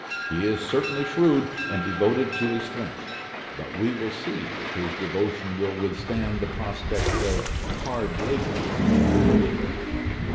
He is certainly shrewd and devoted to his friend; but we will see if his devotion will withstand the prospect of hard labor in the penitentiary.